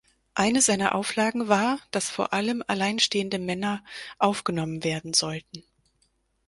Eine seiner Auflagen war, dass vor allem alleinstehende Männer aufgenommen werden sollten.